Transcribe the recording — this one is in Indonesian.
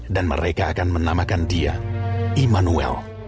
dan mereka akan menamakan dia immanuel